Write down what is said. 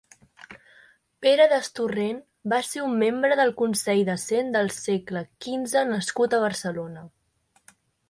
Pere Destorrent va ser un membre del Consell de Cent del segle quinze nascut a Barcelona.